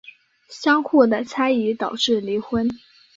相互的猜疑导致离婚。